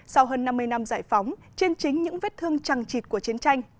sau hơn năm mươi năm giải phóng trên chính những vết thương trăng trịt của chiến tranh